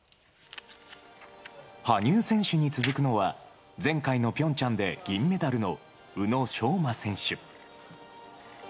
羽生選手に続くのは、前回のピョンチャンで銀メダルの宇野昌磨選手。